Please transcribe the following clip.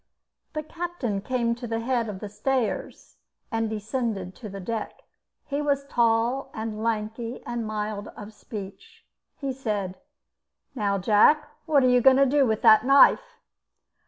The captain came to the head of the stairs and descended to the deck. He was tall and lanky and mild of speech. He said: "Now, Jack, what are you going to do with that knife?"